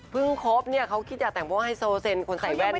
พึ่งครบนี่เค้าคิดอยากแต่งพวกไฮโซเซนคนใส่แว่นนี่